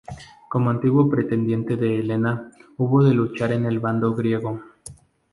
Como antiguo pretendiente de Helena hubo de luchar en el bando griego.